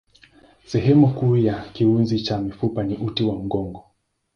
Sehemu kuu ya kiunzi cha mifupa ni uti wa mgongo.